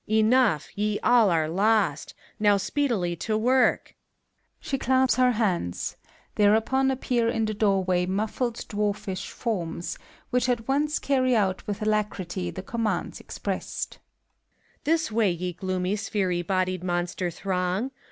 Enough I ye all are lost : now speedily to work ! (She claps her hands; thereupon appear in the door way muffl'^d dwarfish forms, which at once carry out with alacrity the commands expressed,) This way, ye gloomy, sphery bodied monster throng!